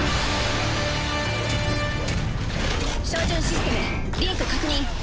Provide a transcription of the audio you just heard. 照準システムリンク確認。